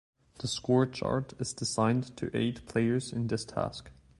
The Score Chart is designed to aide players in this task.